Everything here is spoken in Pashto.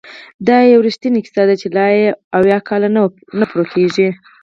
دا یو رښتینې کیسه ده چې لا یې اویا کاله نه پوره کیږي!